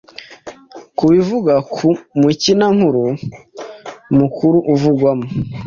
ku bivugwa ku mukinankuru mukuru uvugwamo.